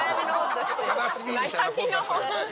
『悲しみ』みたいな本出して。